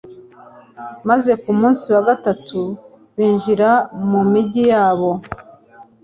maze ku munsi wa gatatu binjira mu migi yabo